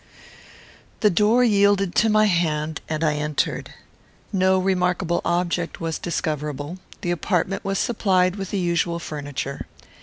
The door yielded to my hand, and I entered. No remarkable object was discoverable. The apartment was supplied with the usual furniture.